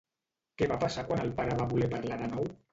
Què va passar quan el pare va voler parlar de nou?